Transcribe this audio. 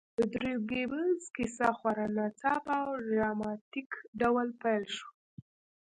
د دریو ګيبلز کیسه خورا ناڅاپه او ډراماتیک ډول پیل شوه